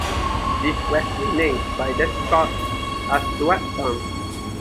This was renamed by the Scots as Stuarts Town.